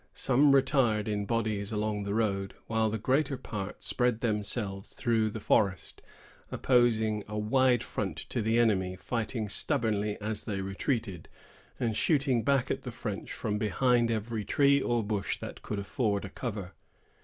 Some retired in bodies along the road; while the greater part spread themselves through the forest, opposing a wide front to the enemy, fighting stubbornly as they retreated, and shooting back at the French from behind every tree or bush that could afford a cover.